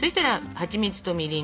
はちみつとみりん？